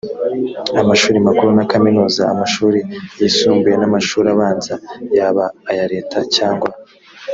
amashuri makuru na kaminuza amashuri yisumbuye n amashuri abanza yaba aya leta cyangwa